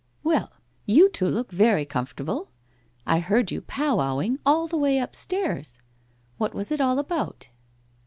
' Well, you two look very comfortable ! I heard you pow wowing all the way upstairs. What was it all about?